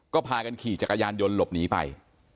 ก็พากันขี่จักรยานยนต์หลบหนีไป